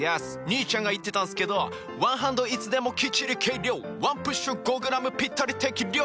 兄ちゃんが言ってたんすけど「ワンハンドいつでもきっちり計量」「ワンプッシュ５ｇぴったり適量！」